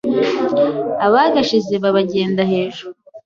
Abagashize babagenda hejuru.